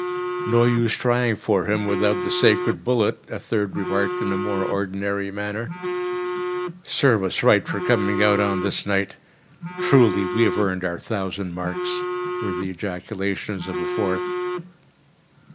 "No use trying for him without the sacred bullet," a third remarked in a more ordinary manner. "Serve us right for coming out on this night! Truly we have earned our thousand marks!" were the ejaculations of a fourth.